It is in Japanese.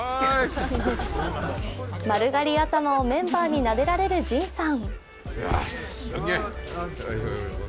丸刈り頭をメンバーになでられるＪＩＮさん。